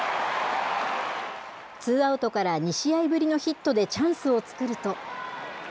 ツーアウトから２試合ぶりのヒットでチャンスを作ると。